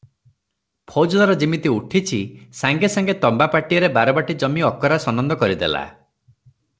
ଫୌଜଦାର ଯିମିତି ଉଠିଛି, ସାଙ୍ଗେ ସାଙ୍ଗେ ତମ୍ବା ପାଟିଆରେ ବାରବାଟୀ ଜମି ଅକରା ସନନ୍ଦ କରିଦେଲା ।